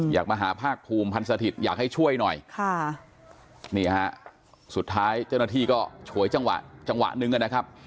อยากมาหาภาคภูมิพันธ์สถิตอยากให้ช่วยหน่อยสุดท้ายเจ้าหน้าที่ก็โฉยจังหวะหนึ่งกันนะครับ